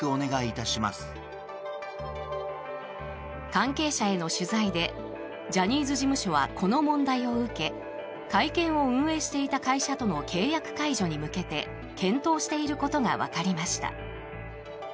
関係者への取材でジャニーズ事務所はこの問題を受け会見を運営していた会社との契約解除に向けて検討していることがわかりました。